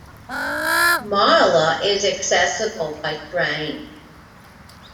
Marla is accessible by train.